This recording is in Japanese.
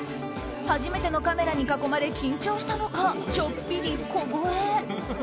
初めてのカメラに囲まれ緊張したのかちょっぴり小声。